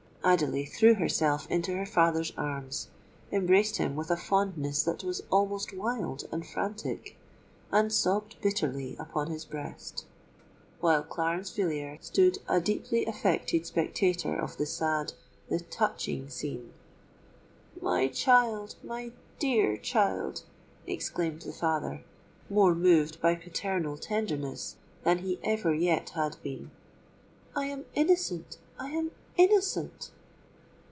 Adelais threw herself into her father's arms, embraced him with a fondness that was almost wild and frantic, and sobbed bitterly upon his breast,—while Clarence Villiers stood a deeply affected spectator of the sad—the touching scene. "My child—my dear child," exclaimed the father, more moved by paternal tenderness than he ever yet had been,—"I am innocent—I am innocent!"